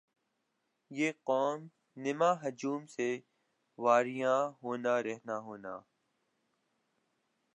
یِہ قوم نما ہجوم سے واریاں ہونا رہنا ہونا